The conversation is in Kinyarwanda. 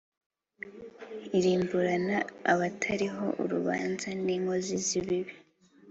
Irimburana abatariho urubanza n inkozi z ibibi